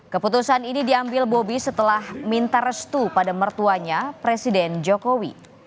keputusan ini diambil bobi setelah minta restu pada mertuanya presiden jokowi